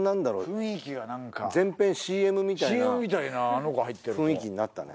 雰囲気が何か全編ＣＭみたいなＣＭみたいなあの子入ってる雰囲気になったね